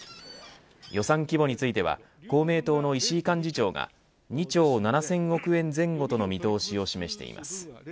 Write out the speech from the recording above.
予算規模については公明党の石井幹事長が２兆７０００億円前後との見通しを示しています。